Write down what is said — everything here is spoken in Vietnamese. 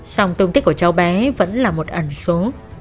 sòng tương tích của cháu bé vẫn là một ẩn số